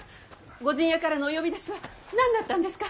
ご陣屋からのお呼び出しは何だったんですか？